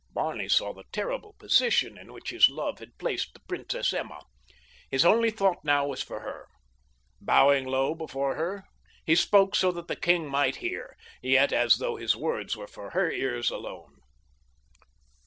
Barney saw the terrible position in which his love had placed the Princess Emma. His only thought now was for her. Bowing low before her he spoke so that the king might hear, yet as though his words were for her ears alone.